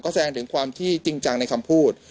แสดงถึงความที่จริงจังในคำพูด